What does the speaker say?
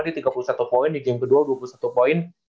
di tiga puluh satu poin di game kedua dua puluh satu poin